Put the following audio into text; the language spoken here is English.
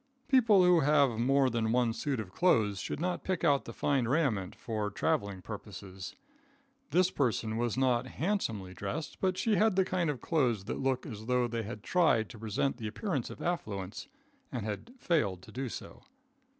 People who have more than one suit of clothes should not pick out the fine raiment for traveling purposes. This person was not handsomely dressed, but she had the kind of clothes that look as though they had tried to present the appearance of affluence and had failed to do so.